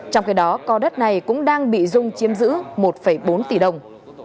trong khi đó co đất này cũng đang bị dung chiếm giữ một bốn tỷ đồng